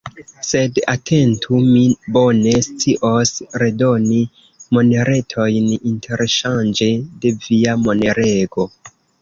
Sed, atentu: mi bone scios redoni moneretojn interŝanĝe de via monerego.